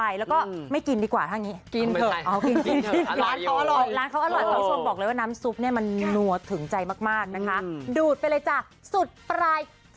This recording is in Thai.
อร่อยจริงอร่อยต่ำนะคะ